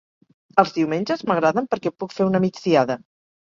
Els diumenges m'agraden perquè puc fer una migdiada